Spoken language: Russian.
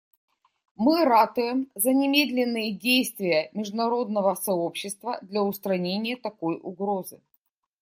Мы ратуем за немедленные действия международного сообщества для устранения такой угрозы.